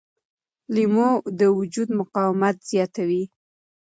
لیمو د وجود مقاومت زیاتوي.